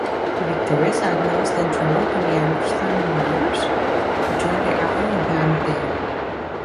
The victorious outlaws then travel to Liangshan Marsh to join the outlaw band there.